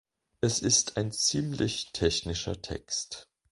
Es ist ein ziemlich technischer Text.